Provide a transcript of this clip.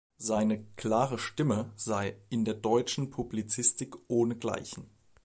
Seine „klare Stimme“ sei „in der deutschen Publizistik ohnegleichen“.